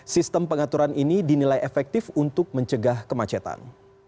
sistem pengaturan ini dinilai efektif untuk mencegah kemacetan